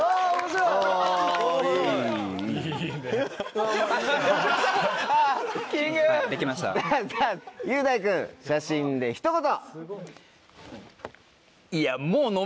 さぁ雄大君写真でひと言！